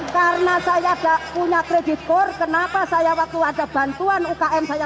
karena saya tidak punya kredit kor kenapa saya waktu ada bantuan ukm saya